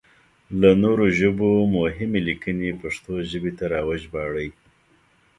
له نورو ژبو مهمې ليکنې پښتو ژبې ته راوژباړئ!